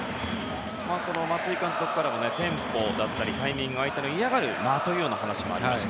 松井監督からもテンポだったりタイミングだったり相手の嫌がる間という話もありました。